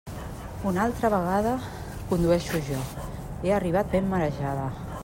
Una altra vegada condueixo jo; he arribat ben marejada.